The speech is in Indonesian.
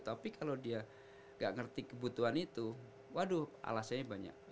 tapi kalau dia nggak ngerti kebutuhan itu waduh alasannya banyak